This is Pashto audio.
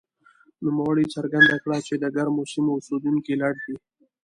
نوموړي څرګنده کړه چې د ګرمو سیمو اوسېدونکي لټ دي.